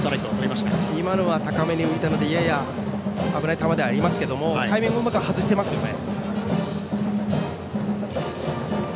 今のは高めに浮いてやや危ない球ではありますけどタイミングをうまく外してますね。